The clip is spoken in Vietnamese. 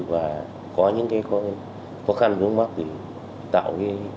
và có những khó khăn vướng mắt thì tạo